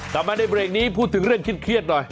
กลับมาในเบรกนี้พูดถึงเรื่องเครียดหน่อย